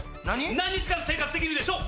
何日間生活できるでしょう？